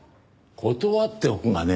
断っておくがね